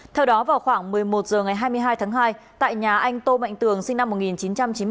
theo đó vào khoảng một mươi một h ngày hai mươi hai tháng hai tại nhà anh tô mạnh tường sinh năm một nghìn chín trăm chín mươi bốn